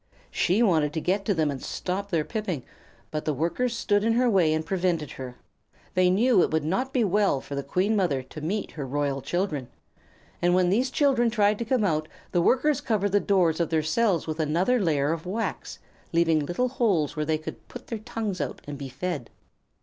She wanted to get to them and stop their piping, but the Workers stood in her way and prevented her. They knew it would not be well for the Queen Mother to meet her royal children, and when these children tried to come out the Workers covered the doors of their cells with another layer of wax, leaving little holes where they could put out their tongues and be fed.